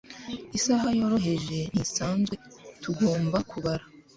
isaha yoroheje ntisanzwe; tugomba kubara